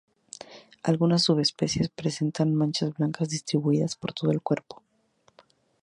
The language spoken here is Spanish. Algunas subespecies presentan manchas blancas distribuidas por todo el cuerpo.